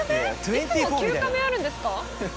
いつも９カメあるんですか？